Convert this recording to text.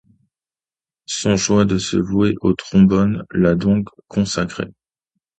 Son choix de se vouer au trombone l’a donc consacré.